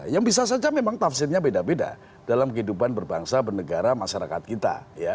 yang bisa saja memang tafsirnya beda beda dalam kehidupan berbangsa bernegara masyarakat kita